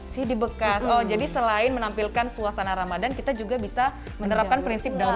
cd bekas oh jadi selain menampilkan suasana ramadan kita juga bisa menerapkan prinsip daun